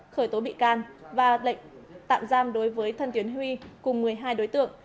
khởi tố bị can và lệnh tạm giam đối với thần tiến huy cùng một mươi hai đối tượng